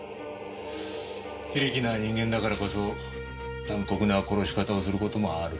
非力な人間だからこそ残酷な殺し方をする事もある。